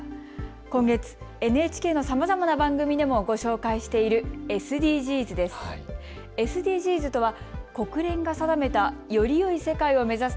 今月、ＮＨＫのさまざまな番組でもご紹介しているＳＤＧｓです。